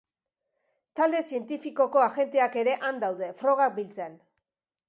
Talde zientifikoko agenteak ere han daude, frogak biltzen.